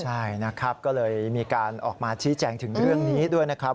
ใช่นะครับก็เลยมีการออกมาชี้แจงถึงเรื่องนี้ด้วยนะครับ